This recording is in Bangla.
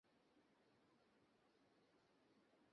হজ্জের এক মৌসুমে যায়েদের গোত্রের একদল মানুষ বাইতুল হারামে এল।